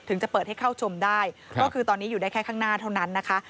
จะเปิดให้เข้าชมได้ก็คือตอนนี้อยู่ได้แค่ข้างหน้าเท่านั้นนะคะ